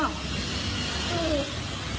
ถ้างั้นก็โทษ